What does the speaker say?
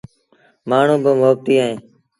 مآڻهوٚݩ با مهبتيٚ اهيݩ۔